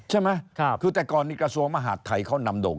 ใช่ไหมคือแต่ก่อนนี้กระทรวงมหาดไทยเขานำโด่ง